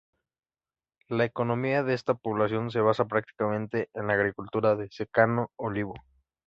La economía de esta población se basa prácticamente en la agricultura de Secano: Olivo.